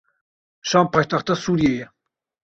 Şam paytexta Sûriyê ye.